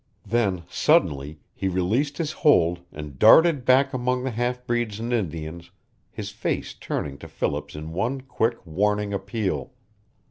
Then, suddenly, he released his hold and darted back among the half breeds and Indians, his face turning to Philip's in one quick, warning appeal.